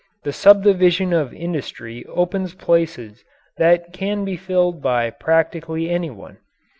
The subdivision of industry opens places that can be filled by practically any one.